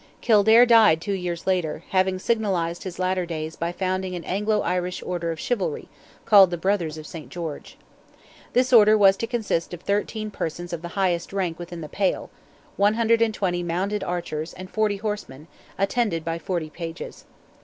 Kildare died two years later, having signalized his latter days by founding an Anglo Irish order of chivalry, called "the Brothers of St. George." This order was to consist of 13 persons of the highest rank within the Pale, 120 mounted archers, and 40 horsemen, attended by 40 pages.